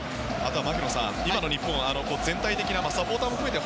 槙野さん、今の日本は全体的な、サポーターも含めて